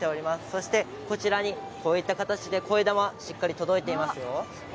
そして、こちらにこういった形でこえだましっかり届いていますよ。